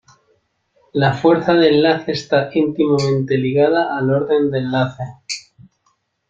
La fuerza de enlace está íntimamente ligada al orden de enlace.